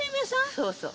そうそう。